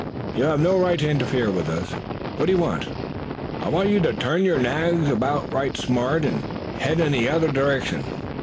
"You have no right to interfere with us. What do you want?" "I want you to turn your nags about right smart and head in the other direction.